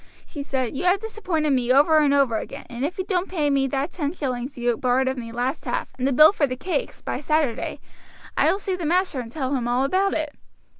"She said, 'You have disappointed me over and over again, and if you don't pay me that ten shillings you borrowed of me last half, and the bill for the cakes, by Saturday, I will see the master and tell him all about it.'